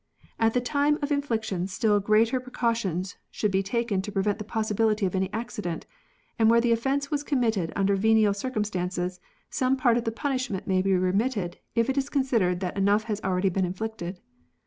At the time of infliction still greater pre cautions should be taken to prevent the possibility of any accident, and where the offence was committed under venial circumstances, some part of the punishment may be remitted if it is considered that enough has already been inflicted.